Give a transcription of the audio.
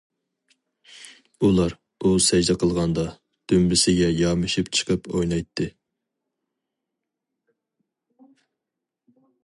ئۇلار ئۇ سەجدە قىلغاندا، دۈمبىسىگە يامىشىپ چىقىپ ئوينايتتى.